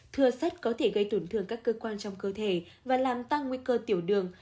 thừa sắt có thể gây tổn thương các cơ quan trong cơ thể và làm tăng nguy cơ tiểu đường